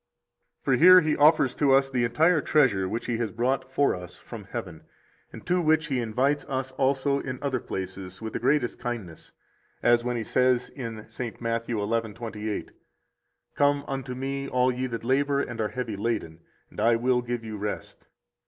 66 For here He offers to us the entire treasure which He has brought for us from heaven, and to which He invites us also in other places with the greatest kindness, as when He says in St. Matthew 11:28: Come unto Me, all ye that labor and are heavy laden, and I will give you rest.